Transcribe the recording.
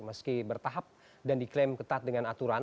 meski bertahap dan diklaim ketat dengan aturan